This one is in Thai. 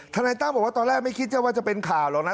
นายตั้มบอกว่าตอนแรกไม่คิดจะว่าจะเป็นข่าวหรอกนะ